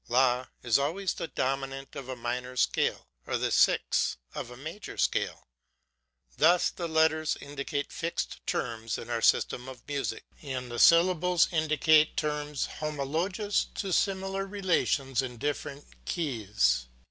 La is always the dominant of a minor scale or the sixth of a major scale. Thus the letters indicate fixed terms in our system of music, and the syllables indicate terms homologous to the similar relations in different keys.